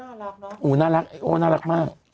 โอ้ยน่ารักเนอะอ๋อน่ารักไอ้โอ้น่ารักมาก